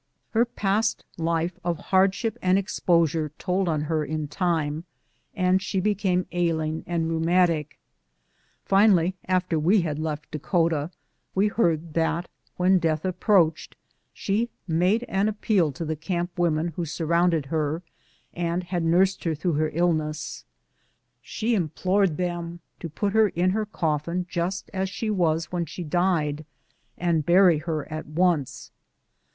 Her past life of hardship and exposure told on her in time, and she became ailing and rheumatic. Finally, after we had left Dakota, we heard that when death 9 x am BOOTS AND SADDLES. approached, she made an appeal to the camp women who surrounded her and had nursed her through her illness ; she implored them to put her in her coffin just as she was when she died and bury her at once.